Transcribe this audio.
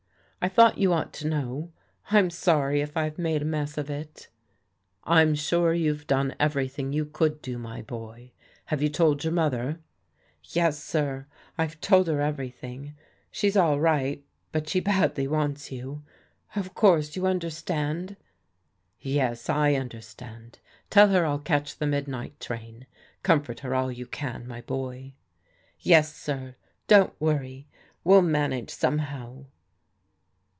I thought you ought to know. I'm sorry if I've made a mess of it." " I'm sure you've done everything you could do, my boy. Have you told your mother? "" Yes, sir, I've told her everything. She's all right, but she badly wants you. Of course you understand? "" Yes, I understand. Tell her 111 catch the midnight train. Comfort her all you can, my boy." " Yes, sir. Don't worry. We'll manage somehow."